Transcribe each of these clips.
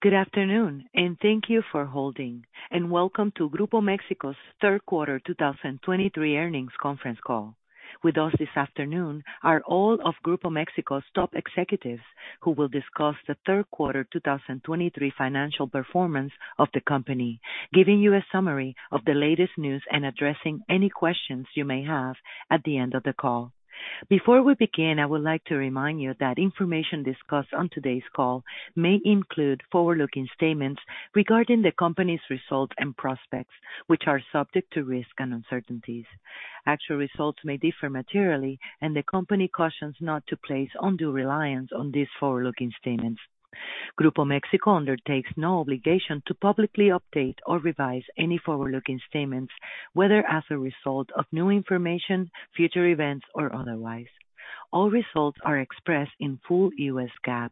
Good afternoon, and thank you for holding, and welcome to Grupo México's third quarter 2023 earnings conference call. With us this afternoon are all of Grupo México's top executives, who will discuss the third quarter 2023 financial performance of the company, giving you a summary of the latest news and addressing any questions you may have at the end of the call. Before we begin, I would like to remind you that information discussed on today's call may include forward-looking statements regarding the company's results and prospects, which are subject to risk and uncertainties. Actual results may differ materially, and the company cautions not to place undue reliance on these forward-looking statements. Grupo México undertakes no obligation to publicly update or revise any forward-looking statements, whether as a result of new information, future events, or otherwise. All results are expressed in full U.S. GAAP.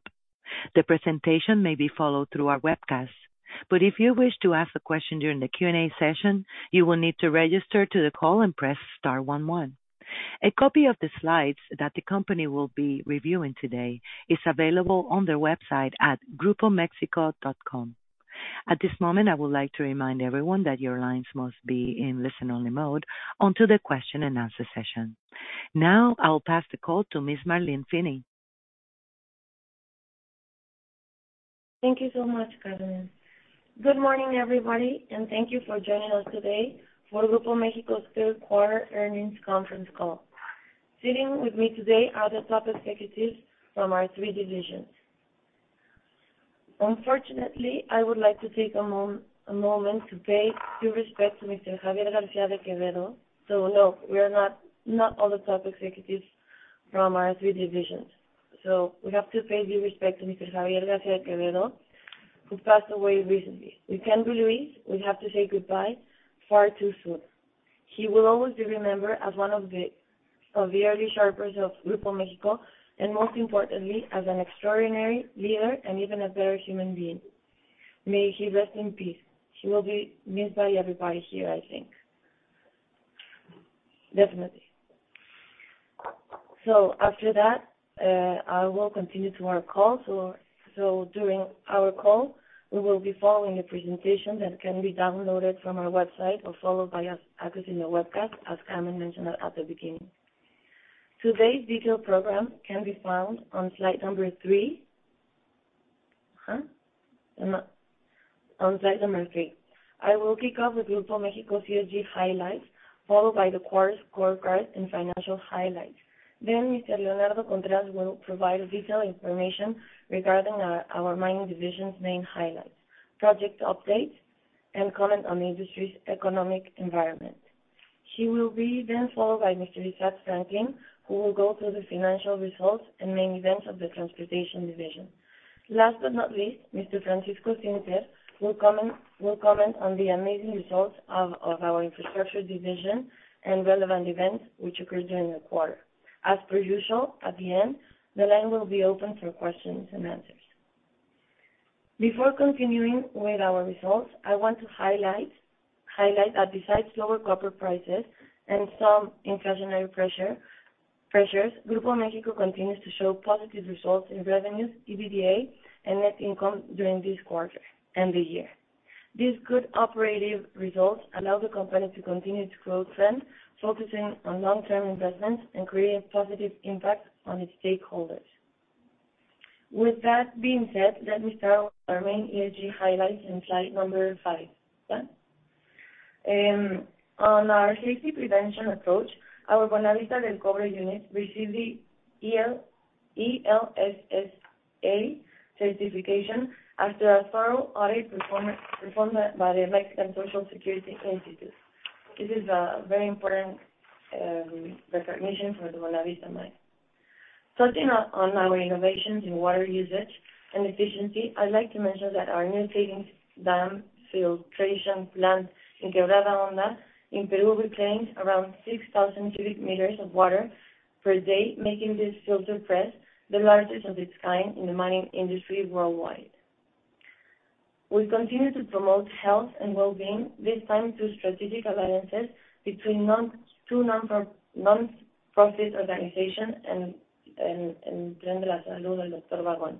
The presentation may be followed through our webcast, but if you wish to ask a question during the Q&A session, you will need to register to the call and press star one, one. A copy of the slides that the company will be reviewing today is available on their website at grupomexico.com. At this moment, I would like to remind everyone that your lines must be in listen-only mode until the question and answer session. Now, I'll pass the call to Ms. Marlene Finny de la Torre. Thank you so much, Carmen. Good morning everybody, and thank you for joining us today for Grupo México's third quarter earnings conference call. Sitting with me today are the top executives from our three divisions. Unfortunately, I would like to take a moment to pay due respect to Mr. Javier García de Quevedo. No, we are not all the top executives from our three divisions. We have to pay due respect to Mr. Javier García de Quevedo, who passed away recently. We can't believe we have to say goodbye far too soon. He will always be remembered as one of the early shapers of Grupo México, and most importantly, as an extraordinary leader and even a better human being. May he rest in peace. He will be missed by everybody here, I think. Definitely. So after that, I will continue to our call. So during our call, we will be following a presentation that can be downloaded from our website or followed by us, accessing the webcast, as Carmen mentioned at the beginning. Today's detailed program can be found on slide number three. On slide number three. I will kick off with Grupo México's ESG highlights, followed by the quarter's scorecard and financial highlights. Then Mr. Leonardo Contreras will provide detailed information regarding our mining division's main highlights, project updates, and comment on the industry's economic environment. He will be then followed by Mr. Isaac Franklin, who will go through the financial results and main events of the Transportation Division. Last but not least, Mr. Francisco Zinser will comment on the amazing results of our Infrastructure Division and relevant events which occurred during the quarter. As per usual, at the end, the line will be open for questions and answers. Before continuing with our results, I want to highlight that besides lower copper prices and some inflationary pressures, Grupo México continues to show positive results in revenues, EBITDA, and net income during this quarter and the year. These good operative results allow the company to continue its growth trend, focusing on long-term investments and creating a positive impact on its stakeholders. With that being said, let me start with our main ESG highlights on slide number five. On our safety prevention approach, our Buenavista del Cobre unit received the ELSSA certification after a thorough audit performed by the Mexican Social Security Institute. This is a very important recognition for the Buenavista mine. Touching on our innovations in water usage and efficiency, I'd like to mention that our new savings dam filtration plant in Quebrada Honda in Peru reclaims around 6,000 cu m of water per day, making this filter press the largest of its kind in the mining industry worldwide. We continue to promote health and well-being, this time through strategic alliances between two nonprofits organization and Plan de la Salud del Doctor Vagón.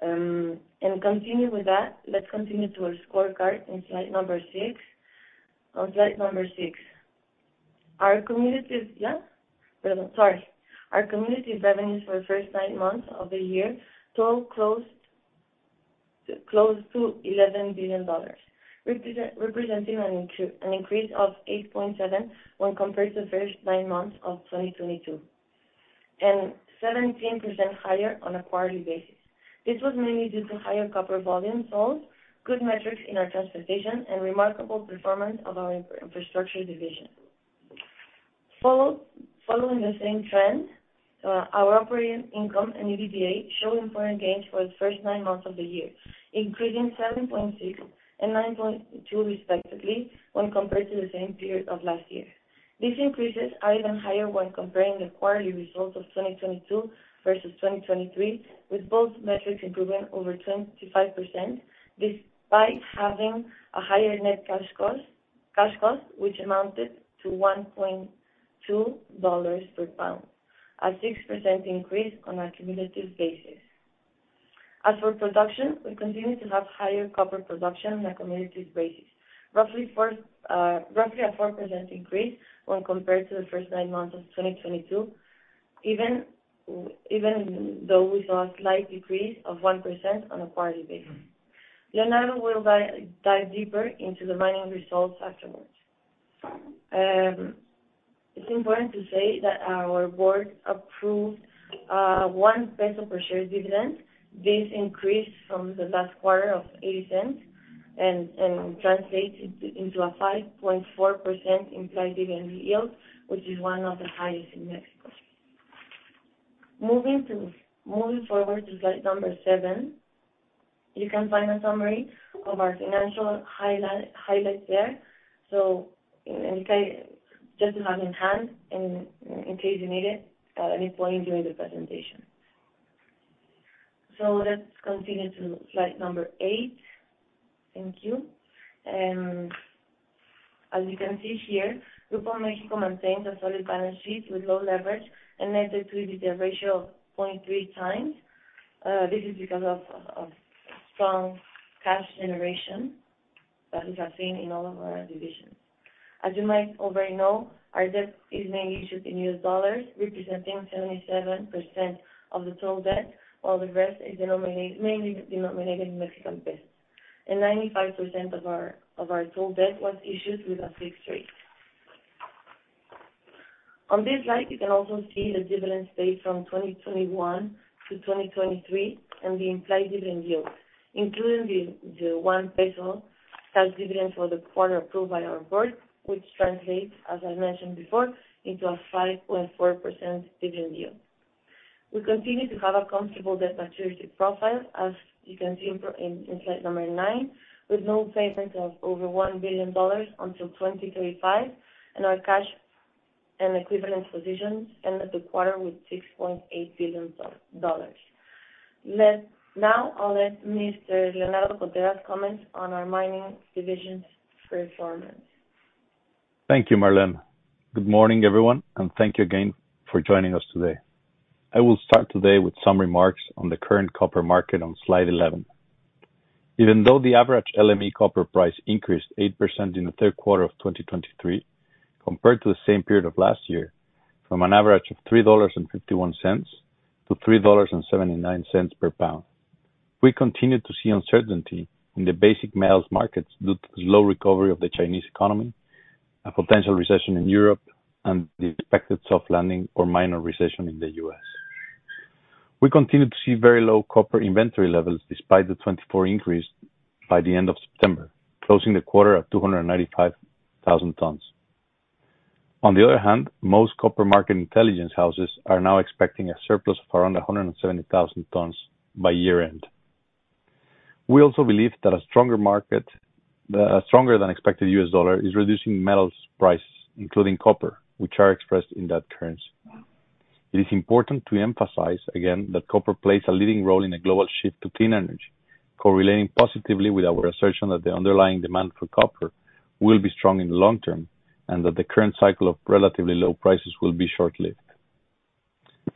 And continue with that, let's continue to our scorecard on slide number six. On slide number six. Our communities, yeah? Sorry. Our community's revenues for the first nine months of the year total close to $11 billion, representing an increase of 8.7% when compared to the first nine months of 2022, and 17% higher on a quarterly basis. This was mainly due to higher copper volume sold, good metrics in our transportation, and remarkable performance of our infrastructure division. Following the same trend, our operating income and EBITDA show important gains for the first nine months of the year, increasing 7.6 and 9.2, respectively, when compared to the same period of last year. These increases are even higher when comparing the quarterly results of 2022 versus 2023, with both metrics improving over 25%, despite having a higher net cash cost, cash cost, which amounted to $1.2 per pound. A 6% increase on a cumulative basis. As for production, we continue to have higher copper production on a cumulative basis, roughly four, roughly a 4% increase when compared to the first nine months of 2022, even though we saw a slight decrease of 1% on a quarterly basis. Leonardo will dive deeper into the mining results afterwards. It's important to say that our board approved one peso per share dividend. This increased from the last quarter of eight cents and translates into a 5.4% implied dividend yield, which is one of the highest in Mexico. Moving forward to slide number seven, you can find a summary of our financial highlights there, so and okay, just to have in hand and in case you need it at any point during the presentation. So let's continue to slide number eight. Thank you. As you can see here, Grupo México maintains a solid balance sheet with low leverage, a net debt-to-EBITDA ratio of 0.3x. This is because of strong cash generation that we have seen in all of our divisions. As you might already know, our debt is mainly issued in U.S. dollars, representing 77% of the total debt, while the rest is mainly denominated in Mexican pesos. Ninety-five percent of our total debt was issued with a fixed rate. On this slide, you can also see the dividend paid from 2021 to 2023, and the implied dividend yield, including the MXN one cash dividend for the quarter approved by our board, which translates, as I mentioned before, into a 5.4% dividend yield. We continue to have a comfortable debt maturity profile, as you can see in slide number nine, with no payment of over $1 billion until 2035, and our cash and equivalent positions ended the quarter with $6.8 billion dollars. Now, I'll let Mr. Leonardo Contreras Lerdo de Tejada comment on our mining division's performance. Thank you, Marlene. Good morning, everyone, and thank you again for joining us today. I will start today with some remarks on the current copper market on slide 11. Even though the average LME copper price increased 8% in the third quarter of 2023, compared to the same period of last year, from an average of $3.51-$3.79 per pound, we continue to see uncertainty in the basic metals markets due to the slow recovery of the Chinese economy, a potential recession in Europe, and the expected soft landing or minor recession in the U.S. We continue to see very low copper inventory levels, despite the 24 increase by the end of September, closing the quarter at 295,000 tons. On the other hand, most copper market intelligence houses are now expecting a surplus of around 170,000 tons by year-end. We also believe that a stronger market, a stronger than expected U.S. dollar, is reducing metals prices, including copper, which are expressed in that currency. It is important to emphasize again, that copper plays a leading role in the global shift to clean energy, correlating positively with our assertion that the underlying demand for copper will be strong in the long term, and that the current cycle of relatively low prices will be short-lived.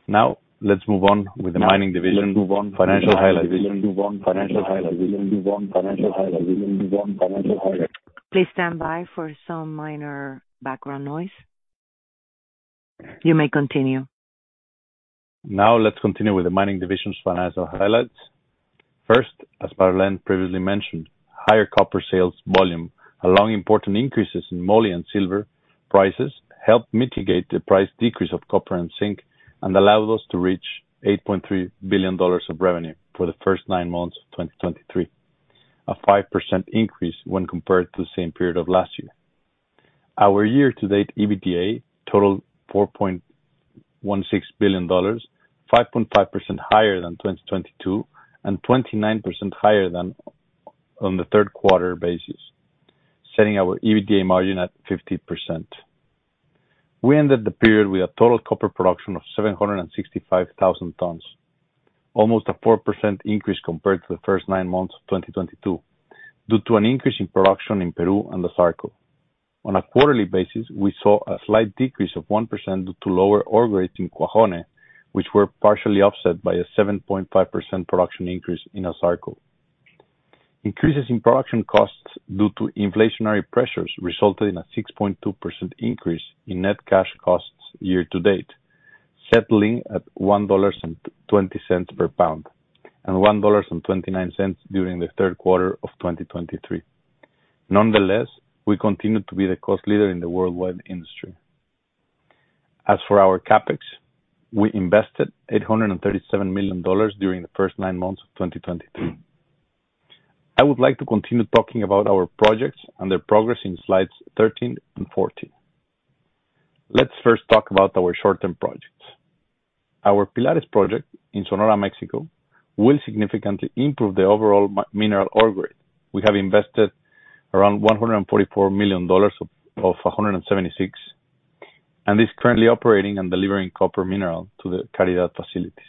Now, let's move on with the mining division, financial highlights. Mining division, financial highlights, mining division, financial highlights, mining division, financial highlights. Please stand by for some minor background noise. You may continue. Now, let's continue with the mining division's financial highlights. First, as Marlene previously mentioned, higher copper sales volume, along important increases in moly and silver prices, helped mitigate the price decrease of copper and zinc, and allowed us to reach $8.3 billion of revenue for the first nine months of 2023, a 5% increase when compared to the same period of last year. Our year-to-date EBITDA totaled $4.16 billion, 5.5% higher than 2022, and 29% higher than on the third quarter basis, setting our EBITDA margin at 50%. We ended the period with a total copper production of 765,000 tons, almost a 4% increase compared to the first nine months of 2022, due to an increase in production in Peru and ASARCO. On a quarterly basis, we saw a slight decrease of 1% due to lower ore grades in Cuajone, which were partially offset by a 7.5% production increase in ASARCO. Increases in production costs due to inflationary pressures resulted in a 6.2% increase in net cash costs year to date, settling at $1.20 per pound, and $1.29 during the third quarter of 2023. Nonetheless, we continue to be the cost leader in the worldwide industry. As for our CapEx, we invested $837 million during the first nine months of 2023. I would like to continue talking about our projects and their progress in slides 13 and 14. Let's first talk about our short-term projects. Our Pilares project in Sonora, Mexico, will significantly improve the overall mineral ore grade. We have invested around $144 million of $176 million, and is currently operating and delivering copper mineral to the La Caridad facilities.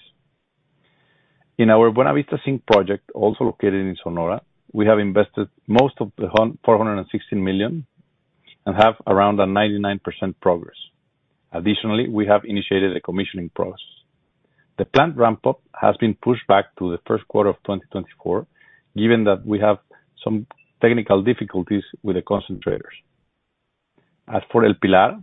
In our Buenavista Zinc Project, also located in Sonora, we have invested most of the $416 million, and have around 99% progress. Additionally, we have initiated a commissioning process. The plant ramp-up has been pushed back to the first quarter of 2024, given that we have some technical difficulties with the concentrators. As for El Pilar,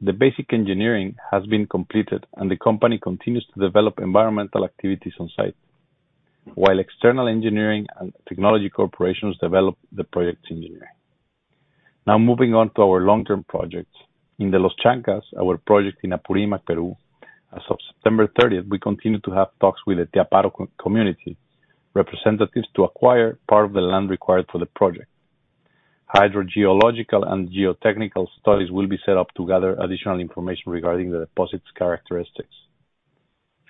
the basic engineering has been completed, and the company continues to develop environmental activities on site, while external engineering and technology corporations develop the project's engineering. Now, moving on to our long-term projects. In the Los Chancas, our project in Apurímac, Peru, as of September 30, we continue to have talks with the Tiaparo community representatives to acquire part of the land required for the project. Hydrogeological and geotechnical studies will be set up to gather additional information regarding the deposit's characteristics.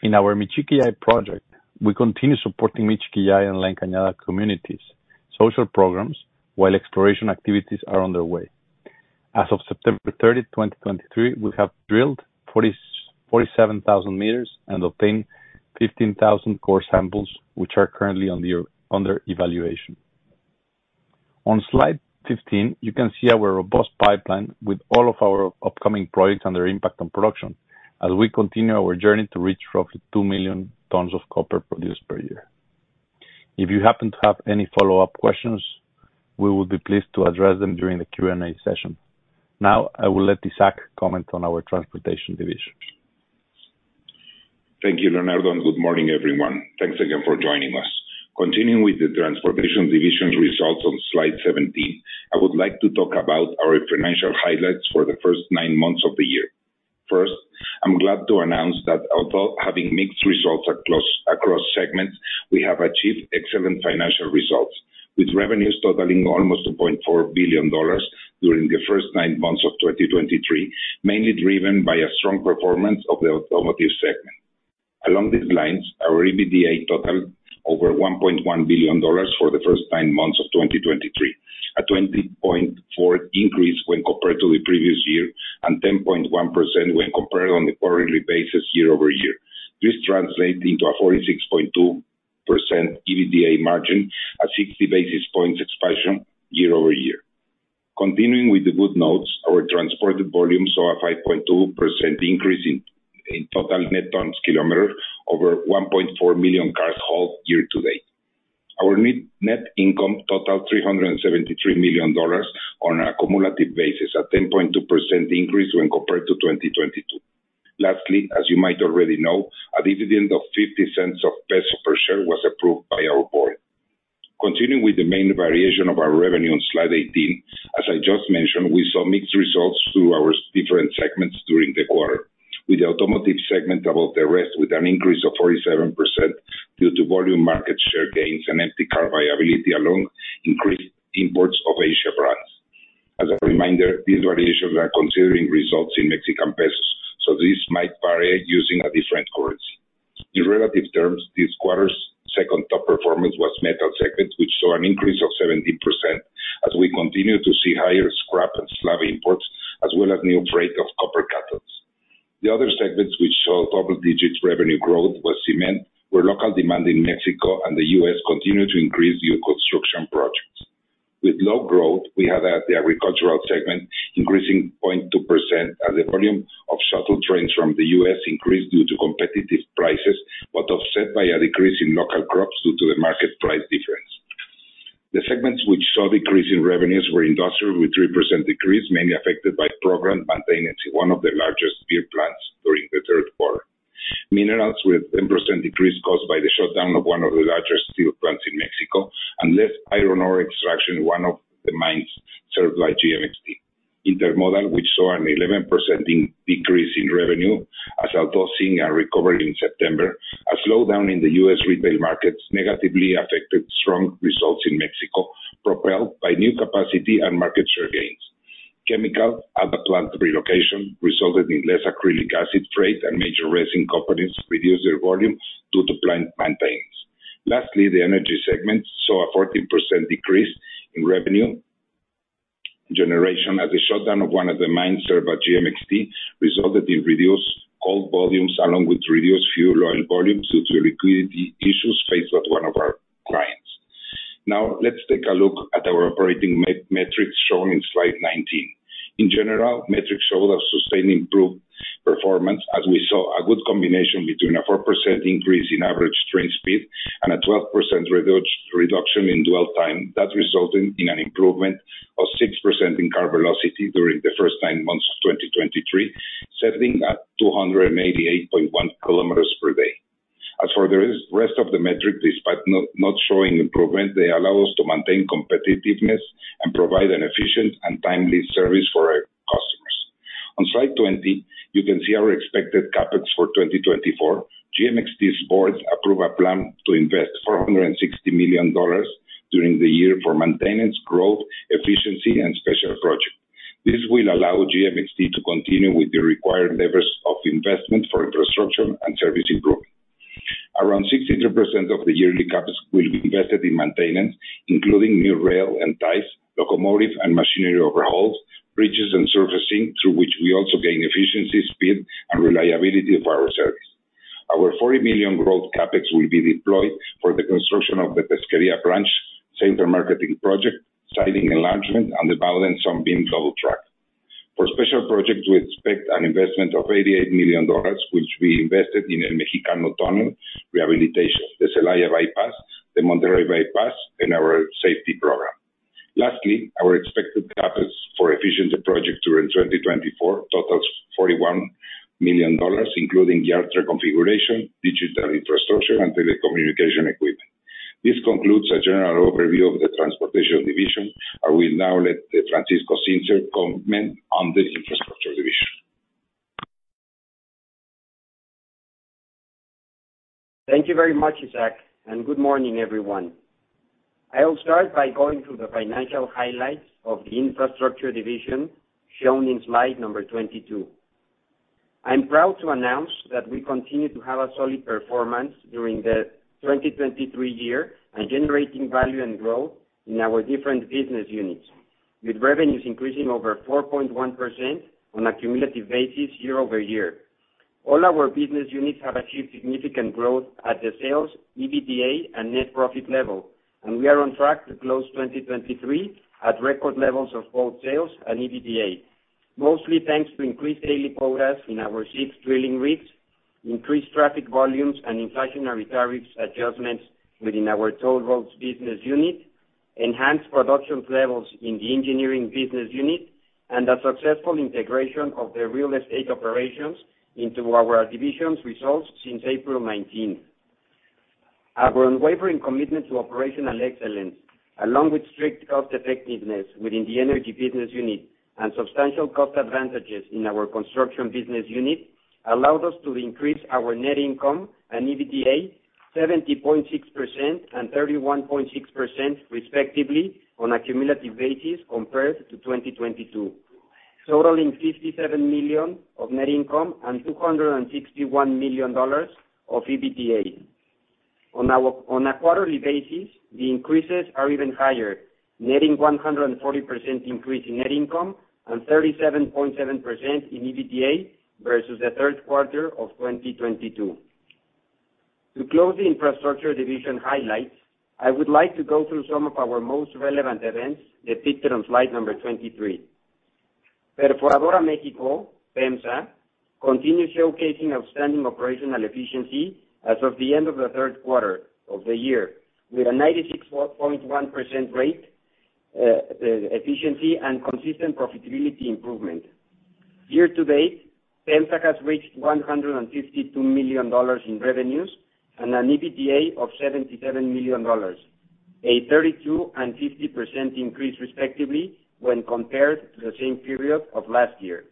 In our Michiquillay project, we continue supporting Michiquillay and La Cañada communities' social programs, while exploration activities are underway. As of September 30, 2023, we have drilled 47,000 meters and obtained 15,000 core samples, which are currently under evaluation. On slide 15, you can see our robust pipeline with all of our upcoming projects and their impact on production, as we continue our journey to reach roughly 2 million tons of copper produced per year. If you happen to have any follow-up questions, we will be pleased to address them during the Q&A session. Now, I will let Isaac comment on our transportation division. Thank you, Leonardo, and good morning, everyone. Thanks again for joining us. Continuing with the Transportation division's results on slide 17, I would like to talk about our financial highlights for the first nine months of the year. First, I'm glad to announce that although having mixed results across segments, we have achieved excellent financial results, with revenues totaling almost $2.4 billion during the first nine months of 2023, mainly driven by a strong performance of the automotive segment. Along these lines, our EBITDA totaled over $1.1 billion for the first nine months of 2023, a 20.4 increase when compared to the previous year, and 10.1% when compared on a quarterly basis year-over-year. This translates into a 46.2% EBITDA margin, a 60 basis points expansion year-over-year. Continuing with the good notes, our transported volumes saw a 5.2% increase in total net ton-kilometers over 1.4 million cars hauled year to date. Our net income totaled $373 million on a cumulative basis, a 10.2% increase when compared to 2022. Lastly, as you might already know, a dividend of 50 cents of peso per share was approved by our board. Continuing with the main variation of our revenue on slide 18, as I just mentioned, we saw mixed results through our different segments during the quarter, with the automotive segment above the rest, with an increase of 47% due to volume market share gains and empty car viability alone, increased imports of Asian brands. As a reminder, these variations are considering results in Mexican pesos, so this might vary using a different currency. In relative terms, this quarter's second top performance was metal segment, which saw an increase of 17%, as we continue to see higher scrap and slab imports, as well as new freight of copper cathodes. The other segments which saw double digits revenue growth was cement, where local demand in Mexico and the U.S. continued to increase new construction projects. With low growth, we have at the agricultural segment, increasing 0.2%, as the volume of shuttle trains from the U.S. increased due to competitive prices, but offset by a decrease in local crops due to the market price difference. The segments which saw decrease in revenues were industrial, with 3% decrease, mainly affected by programmed maintenance in one of the largest beer plants during the third quarter. Minerals with 10% decrease caused by the shutdown of one of the larger steel plants in Mexico, and less iron ore extraction in one of the mines served by GMXT. Intermodal, which saw an 11% decrease in revenue, as although seeing a recovery in September, a slowdown in the U.S. retail markets negatively affected strong results in Mexico, propelled by new capacity and market share gains. Chemical at the plant relocation, resulted in less acrylic acid freight and major resin companies reduced their volume due to plant maintenance. Lastly, the energy segment saw a 14% decrease in revenue generation, as the shutdown of one of the mines served by GMXT resulted in reduced coal volumes, along with reduced fuel oil volumes due to liquidity issues faced at one of our clients. Now, let's take a look at our operating metrics, shown in slide 19. In general, metrics showed a sustained improved performance, as we saw a good combination between a 4% increase in average train speed and a 12% reduction in dwell time. That resulting in an improvement of 6% in car velocity during the first nine months of 2023, settling at 288.1 km per day. As for the rest of the metrics, despite not showing improvement, they allow us to maintain competitiveness and provide an efficient and timely service for our customers. On slide 20, you can see our expected CapEx for 2024. GMXT's board approve a plan to invest $460 million during the year for maintenance, growth, efficiency, and special project. This will allow GMXT to continue with the required levels of investment for infrastructure and service improvement. Around 62% of the yearly CapEx will be invested in maintenance, including new rail and ties, locomotive and machinery overhauls, bridges and surfacing, through which we also gain efficiency, speed, and reliability of our service. Our $40 million growth CapEx will be deployed for the construction of the Pesquería branch, center marketing project, siding enlargement, and the balance on being double tracked. For special projects, we expect an investment of $88 million, which we invested in El Mexicano Tunnel rehabilitation, the Celaya bypass, the Monterrey bypass, and our safety program. Lastly, our expected CapEx for efficiency project during 2024 totals $41 million, including yard reconfiguration, digital infrastructure, and telecommunication equipment. This concludes a general overview of the Transportation Division. I will now let Francisco Zinser comment on the Infrastructure Division. Thank you very much, Isaac, and good morning, everyone. I'll start by going through the financial highlights of the Infrastructure Division, shown in slide number 22. I'm proud to announce that we continue to have a solid performance during the 2023 year, and generating value and growth in our different business units, with revenues increasing over 4.1% on a cumulative basis, year-over-year. All our business units have achieved significant growth at the sales, EBITDA, and net profit level, and we are on track to close 2023 at record levels of both sales and EBITDA. Mostly, thanks to increased daily progress in our 6 drilling rigs, increased traffic volumes and inflationary tariffs adjustments within our toll roads business unit, enhanced production levels in the engineering business unit, and a successful integration of the real estate operations into our division's results since April nineteenth. Our unwavering commitment to operational excellence, along with strict cost effectiveness within the energy business unit and substantial cost advantages in our construction business unit, allowed us to increase our net income and EBITDA 70.6% and 31.6% respectively on a cumulative basis compared to 2022, totaling $57 million of net income and $261 million of EBITDA. On a quarterly basis, the increases are even higher, netting 140% increase in net income and 37.7% in EBITDA versus the third quarter of 2022. To close the Infrastructure Division highlights, I would like to go through some of our most relevant events depicted on slide number 23. Perforadora México, PEMEX, continues showcasing outstanding operational efficiency as of the end of the third quarter of the year, with a 96.1% rate, efficiency and consistent profitability improvement. Year to date, PEMEX has reached $152 million in revenues and an EBITDA of $77 million, a 32% and 50% increase respectively when compared to the same period of last year.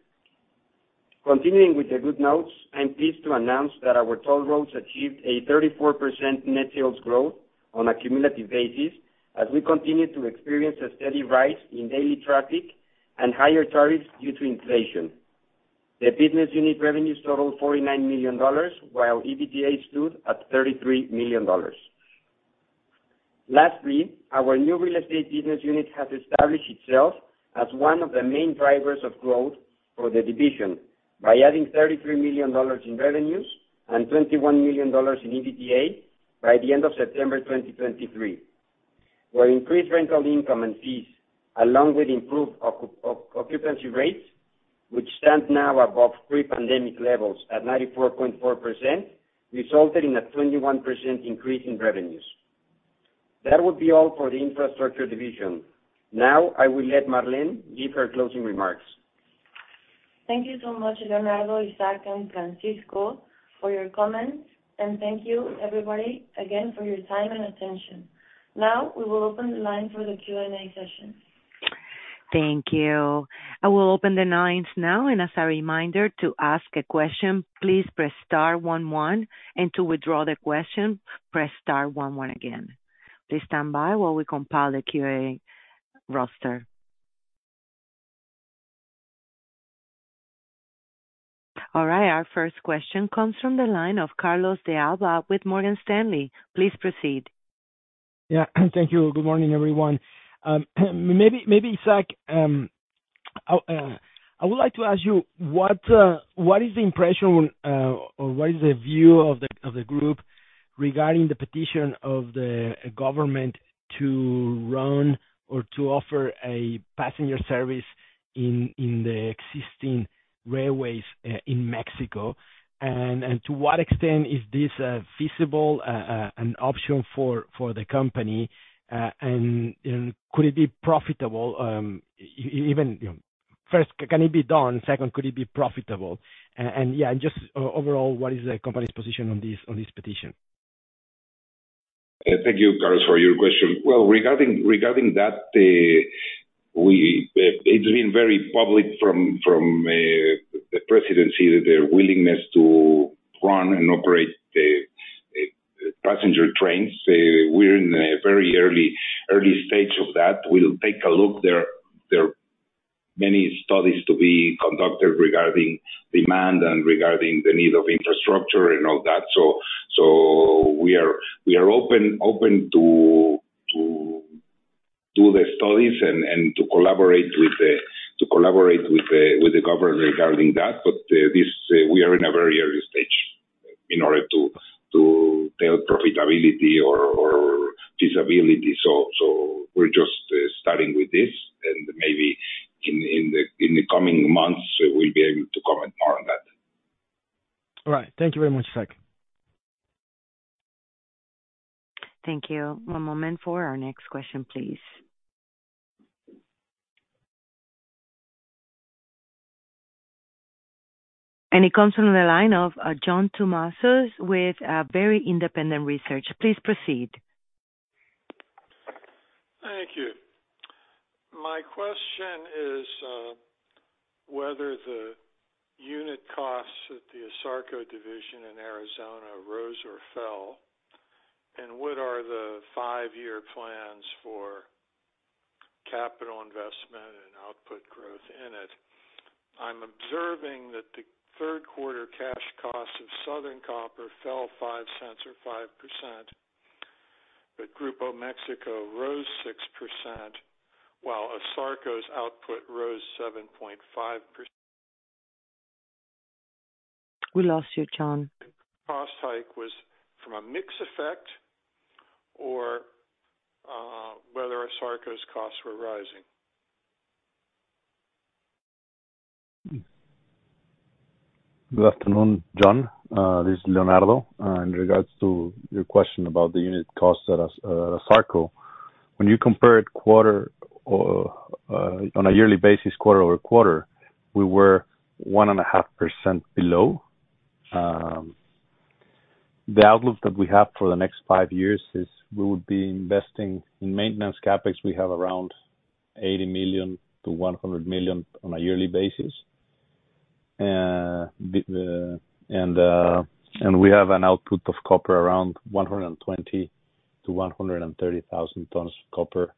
Continuing with the good notes, I'm pleased to announce that our toll roads achieved a 34% net sales growth on a cumulative basis, as we continue to experience a steady rise in daily traffic and higher tariffs due to inflation. The business unit revenues totaled $49 million, while EBITDA stood at $33 million. Lastly, our new real estate business unit has established itself as one of the main drivers of growth for the division, by adding $33 million in revenues and $21 million in EBITDA by the end of September 2023. Where increased rental income and fees, along with improved occupancy rates, which stand now above pre-pandemic levels at 94.4%, resulted in a 21% increase in revenues. That would be all for the Infrastructure Division. Now, I will let Marlene give her closing remarks. Thank you so much, Leonardo, Isaac, and Francisco, for your comments. Thank you everybody, again, for your time and attention. Now, we will open the line for the Q&A session. Thank you. I will open the lines now, and as a reminder, to ask a question, please press star one one, and to withdraw the question, press star one one again. Please stand by while we compile the Q&A roster. All right, our first question comes from the line of Carlos de Alba with Morgan Stanley. Please proceed. Yeah, thank you. Good morning, everyone. Maybe, maybe, Isaac, I'll... I would like to ask you, what, what is the impression, or what is the view of the, of the group regarding the petition of the government to run or to offer a passenger service in, in the existing railways, in México? And, and to what extent is this, feasible, an option for, for the company? And, and could it be profitable, even, you know, first, can it be done? Second, could it be profitable? And, yeah, and just overall, what is the company's position on this, on this petition? Thank you, Carlos, for your question. Well, regarding that, it's been very public from the presidency, their willingness to run and operate passenger trains. We're in a very early stage of that. We'll take a look. There are many studies to be conducted regarding demand and regarding the need of infrastructure and all that. So we are open to do the studies and to collaborate with the government regarding that. But this, we are in a very early stage in order to tell profitability or feasibility. So we're just starting with this, and maybe in the coming months, we'll be able to comment more on that. All right, thank you very much, Zach. Thank you. One moment for our next question, please. It comes from the line of John Tumazos, with Very Independent Research. Please proceed. Thank you. My question is whether the unit costs at the ASARCO division in Arizona rose or fell, and what are the five-year plans for capital investment and output growth in it? I'm observing that the third quarter cash costs of Southern Copper fell $0.05 or 5%, but Grupo México rose 6%, while ASARCO's output rose 7.5%. We lost you, John. Cost hike was from a mix effect or whether ASARCO's costs were rising. Good afternoon, John. This is Leonardo. In regards to your question about the unit costs at ASARCO, when you compare it quarter or on a yearly basis, quarter-over-quarter, we were 1.5% below. The outlook that we have for the next 5 years is we would be investing in maintenance CapEx. We have around $80 million-$100 million on a yearly basis. And we have an output of copper around 120,000-130,000 tons of copper,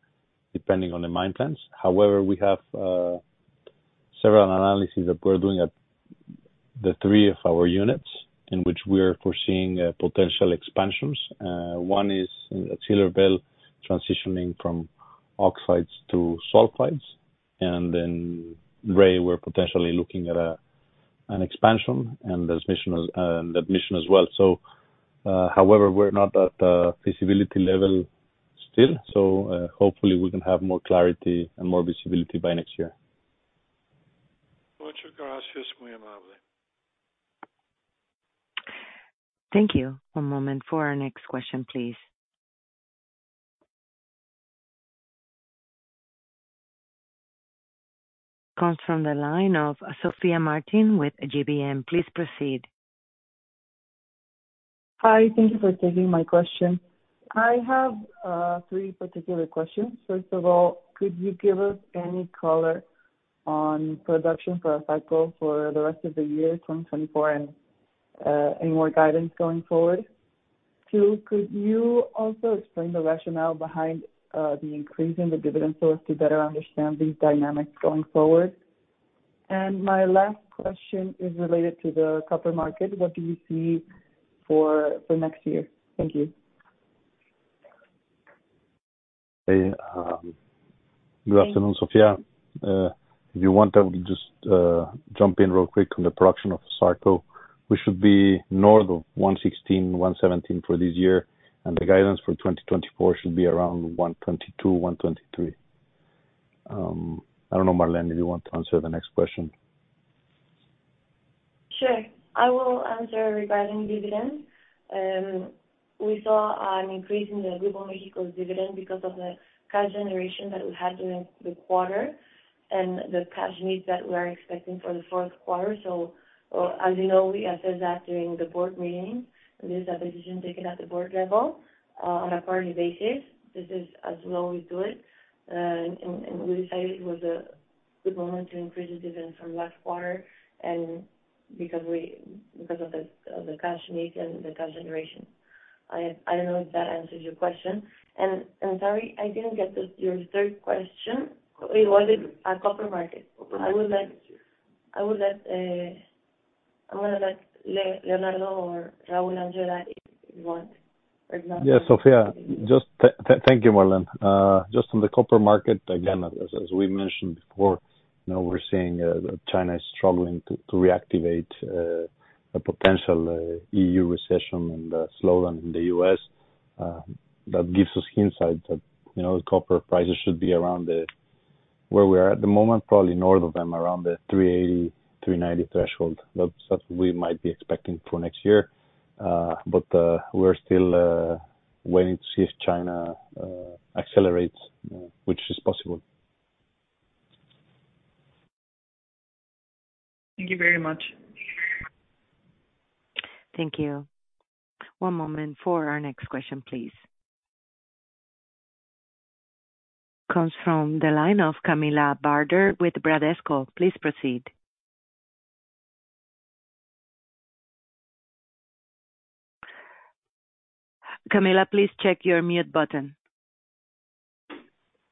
depending on the mine plans. However, we have several analyses that we're doing at the three of our units, in which we are foreseeing potential expansions. One is in transitioning from oxides to sulfides, and then Ray, we're potentially looking at an expansion, and there's Mission, and the Mission as well. So, however, we're not at the feasibility level still, so, hopefully we can have more clarity and more visibility by next year. Muchas gracias, muy amable. Thank you. One moment for our next question, please. Comes from the line of Sofía Martin with GBM. Please proceed. Hi, thank you for taking my question. I have three particular questions. First of all, could you give us any color on production for ASARCO for the rest of the year, 2024, and any more guidance going forward? Two, could you also explain the rationale behind the increase in the dividend source to better understand these dynamics going forward? And my last question is related to the copper market. What do you see for next year? Thank you. Hey, good afternoon, Sofía. If you want, I will just jump in real quick on the production of ASARCO. We should be north of 116-117 for this year, and the guidance for 2024 should be around 122-123. I don't know, Marlene, do you want to answer the next question? Sure. I will answer regarding dividends. We saw an increase in the Grupo México's dividend because of the cash generation that we had during the quarter and the cash needs that we are expecting for the fourth quarter. So as you know, we assessed that during the board meeting, and this is a decision taken at the board level on a quarterly basis. This is as well we do it. And we decided it was a good moment to increase the dividend from last quarter, and because of the cash need and the cash generation. I don't know if that answers your question. I'm sorry, I didn't get your third question. It was a copper market? I'm gonna let Leonardo or Raúl answer that if you want. Yeah, Sofía, just thank you, Marlene. Just on the copper market, again, as we mentioned before, you know, we're seeing China is struggling to reactivate, a potential EU recession and slowdown in the US. That gives us insight that, you know, copper prices should be around the where we are at the moment, probably north of them, around the $3.80-$3.90 threshold. That we might be expecting for next year. But we're still waiting to see if China accelerates, which is possible. Thank you very much. Thank you. One moment for our next question, please. Comes from the line of Camilla Barder with Bradesco. Please proceed. Camilla, please check your mute button.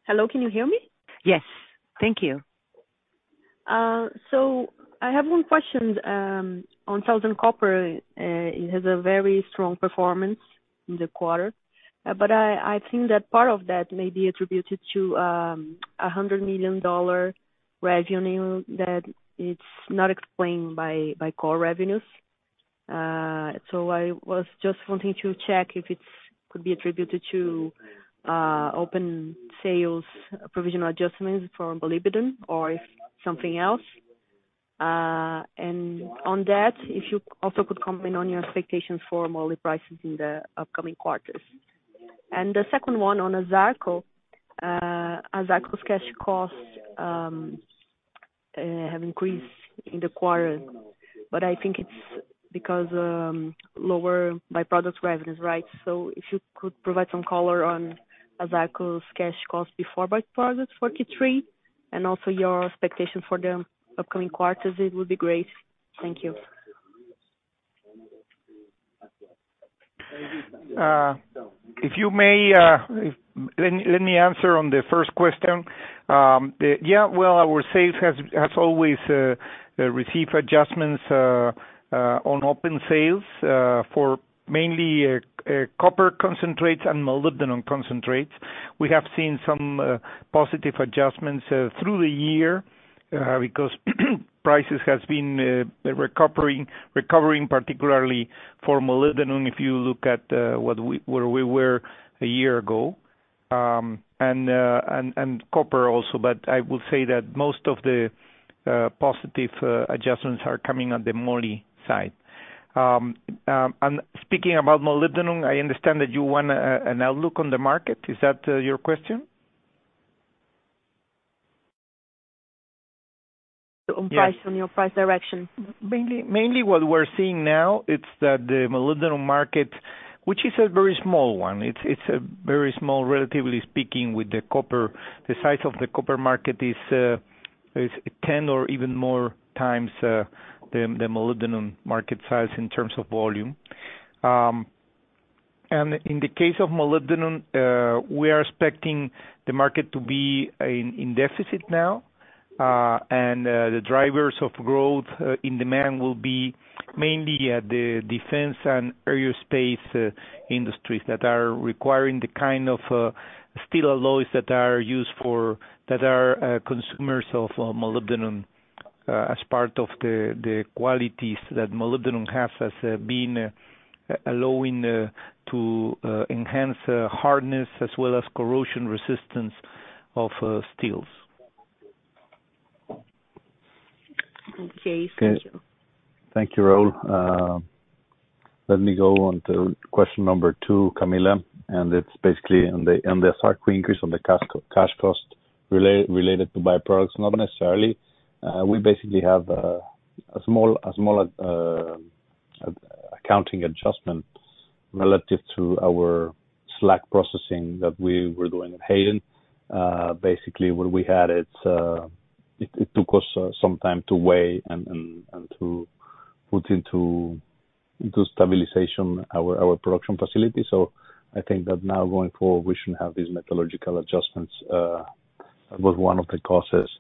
Hello, can you hear me? Yes. Thank you. So, I have one question on Southern Copper. It has a very strong performance in the quarter, but I think that part of that may be attributed to $100 million revenue, that it's not explained by core revenues. So I was just wanting to check if it's could be attributed to open sales, provisional adjustments for molybdenum, or if something else. And on that, if you also could comment on your expectations for moly prices in the upcoming quarters. And the second one, on ASARCO, ASARCO's cash costs have increased in the quarter, but I think it's because lower by-product revenues, right? So if you could provide some color on ASARCO's cash costs before by-products for Q3, and also your expectations for the upcoming quarters, it would be great. Thank you. If you may, let me answer on the first question. Yeah, well, our sales has always receive adjustments on open sales for mainly copper concentrates and molybdenum concentrates. We have seen some positive adjustments through the year because prices has been recovering, recovering, particularly for molybdenum, if you look at what we where we were a year ago, and copper also. But I will say that most of the positive adjustments are coming on the moly side. And speaking about molybdenum, I understand that you want an outlook on the market. Is that your question? On price- Yeah. On your price direction. Mainly what we're seeing now, it's that the molybdenum market, which is a very small one, it's a very small, relatively speaking with the copper. The size of the copper market is 10 or even more times the molybdenum market size in terms of volume. And in the case of molybdenum, we are expecting the market to be in deficit now. And the drivers of growth in demand will be mainly the defense and aerospace industries that are requiring the kind of steel alloys. That are consumers of molybdenum as part of the qualities that molybdenum has been allowing to enhance hardness as well as corrosion resistance of steels. Okay. Thank you. Thank you, Raúl. Let me go on to question number two, Camilla, and it's basically on the, on the ASARCO increase, on the cash, cash cost related to by-products. Not necessarily. We basically have a small, a small accounting adjustment relative to our slag processing that we were doing in Hayden. Basically, what we had, it took us some time to weigh and to put into stabilization our production facilities. So I think that now going forward, we shouldn't have these metallurgical adjustments, was one of the causes.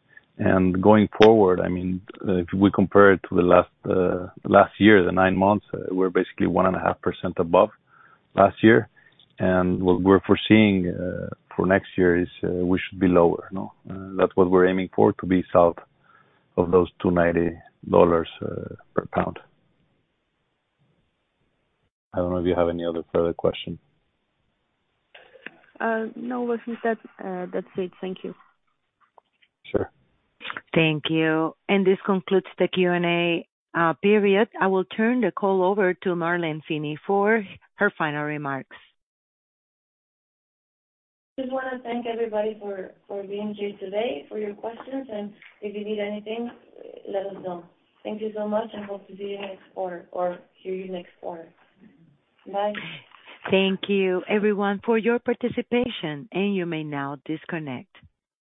And going forward, I mean, if we compare it to the last year, the nine months, we're basically 1.5% above last year. And what we're foreseeing for next year is we should be lower, no? That's what we're aiming for, to be south of those $2.90 per pound. I don't know if you have any other further question. No, that's it. Thank you. Sure. Thank you. This concludes the Q&A period. I will turn the call over to Marlene Finny de la Torre for her final remarks. Just wanna thank everybody for being here today, for your questions, and if you need anything, let us know. Thank you so much, and hope to see you next quarter or hear you next quarter. Bye. Thank you, everyone, for your participation, and you may now disconnect.